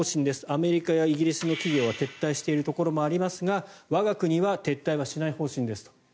アメリカやイギリスの企業は撤退しているところもありますが我が国は撤退はしない方針ですと。